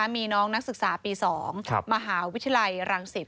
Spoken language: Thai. มีน้องนักศึกษาปี๒มหาวิทยาลัยรังสิต